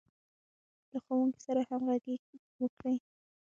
له ښوونکي سره همغږي وکړه.